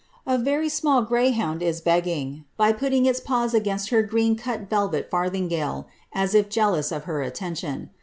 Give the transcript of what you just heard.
A very small greyhound is begging, by putting its paws against her green cut velvet farthingale, as if jealous of her attention.